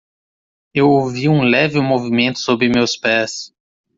Eu ouvi um leve movimento sob meus pés.